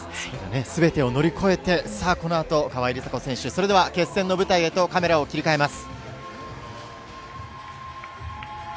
すべてを乗り越えて、さあ、このあと、川井梨紗子選手、それでは決戦の舞台へとカメラを切り替えます。